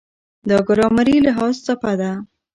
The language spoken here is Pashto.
دا ګرامري لحاظ څپه ده.